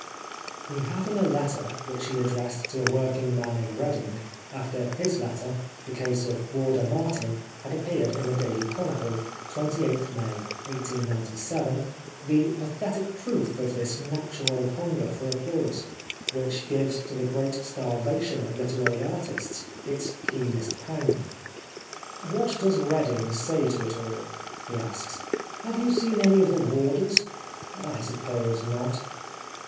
We have in a letter which he addressed to a working man in Reading, after his letter, " The Case of Warder Martin " had appeared in The Daily Chronicle (28th May 1897), the pathetic proof of this natural hunger for applause, which gives to the great starvation of literary artists its keenest pang. " What does Reading say to it all ?" he asks. " Have you seen any of the warders ? I sup pose not."